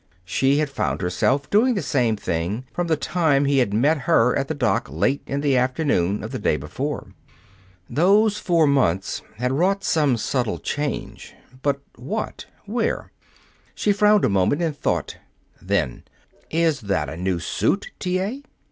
She had found herself doing the same thing from the time he had met her at the dock late in the afternoon of the day before. Those four months had wrought some subtle change. But what? Where? She frowned a moment in thought. Then: "Is that a new suit, T. A.?"